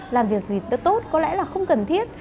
làm việc gì tốt có lẽ là không cần thiết